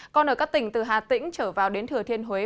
còn ở các tỉnh từ hà tĩnh trở vào đến thừa thiên huế